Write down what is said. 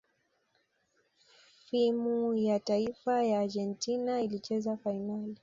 fimu ya taifa ya Argentina ilicheza fainali